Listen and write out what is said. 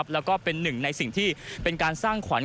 แล้วก็เป็นหนึ่งในสิ่งที่เป็นการสร้างขวัญ